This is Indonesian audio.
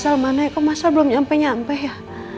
masal mana ya kok masal belum nyampe nyampe ya